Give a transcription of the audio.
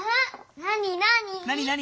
なになに？